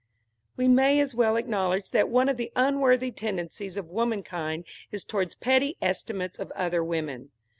We may as well acknowledge that one of the unworthy tendencies of womankind is towards petty estimates of other women.